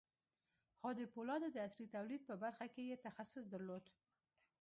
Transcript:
خو د پولادو د عصري توليد په برخه کې يې تخصص درلود.